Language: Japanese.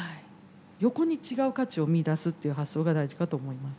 横に違う価値を見いだすっていう発想が大事かと思います。